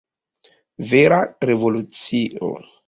Vera revolucio!